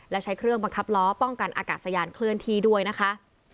และใช้เครื่องบังคับล้อป้องกันอากาศยานเคลื่อนที่ด้วยนะคะ